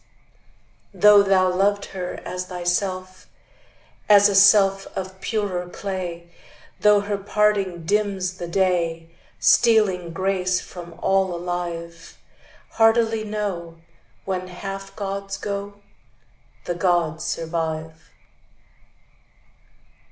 Though thou loved her as thyself, As a self of purer clay, Though her parting dims the day, Stealing grace from all alive; Heartily know, When half gods go, The gods survive.